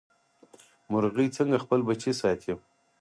مورغۍ څنګه خپل بچي ساتي؟